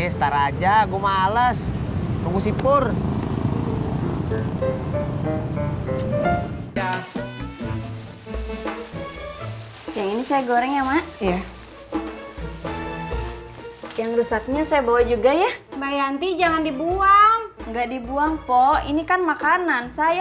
sayang kalau dibuangnya